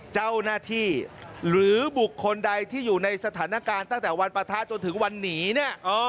เจ้าหน้าที่หรือบุคคลใดที่อยู่ในสถานการณ์ตั้งแต่วันปะทะจนถึงวันหนีเนี่ย